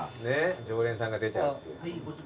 常連さんが出ちゃうっていう。